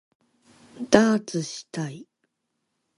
ダーツしたい